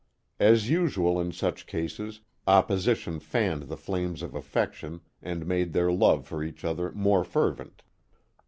As usual in such cases, opposition fanned the flames of affection and made their love for each other more fervent.